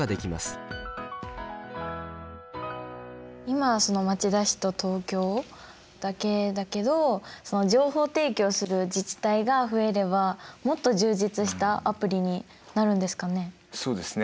今はその町田市と東京だけだけど情報提供する自治体が増えればもっと充実したアプリになるんですかね？